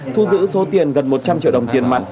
thu giữ số tiền gần một trăm linh triệu đồng tiền mặt